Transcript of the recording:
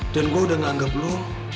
dan gue udah gak anggap lo